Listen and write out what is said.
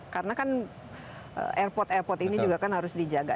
karena kan airport airport ini juga kan harus dijaga